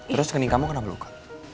terus kening kamu kenapa luka